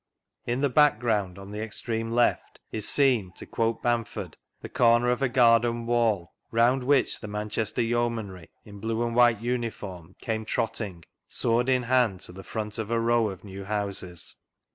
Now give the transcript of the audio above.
In the background, on the extreme left, is seen (to quote Bamfqrd) " the corner of a garden wall, round which the Manchester Yeomanry, in blue and white uniform, came trotting, sword in hand, to the front of a row of new houses."